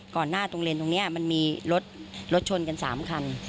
ก่อนหน้าเลนท์ตรงนี้มันมีรถชนกัน๓คัน